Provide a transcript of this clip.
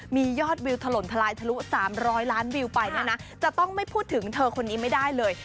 มียอดวิวถล่มทลายทะลุ๓๐๐ล้านวิวไปเนี่ยนะจะต้องไม่พูดถึงเธอคนนี้ไม่ได้เลย